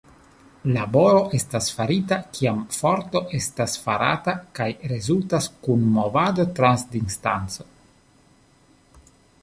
Laboro estas farita kiam forto estas farata kaj rezultas kun movado trans distanco.